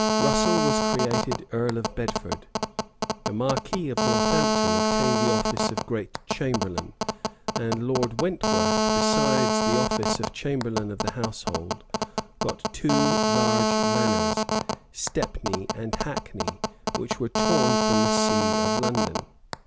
Russel was created earl of Bedford: the marquis of Northampton obtained the office of great chamberlain; and Lord Wentworth, besides the office of chamberlain of the household, got two large manors, Stepney and Hackney, which were torn from the see of London.